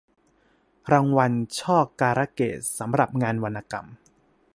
รางวัลช่อการะเกดสำหรับงานวรรณกรรม